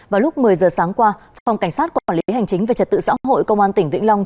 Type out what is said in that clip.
vào lúc một mươi giờ sáng qua phòng cảnh sát quản lý hành chính về trật tự xã hội công an tỉnh vĩnh long